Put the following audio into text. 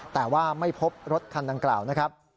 แต่ว่าไม่พบรถคันดังกล่าวนะครับ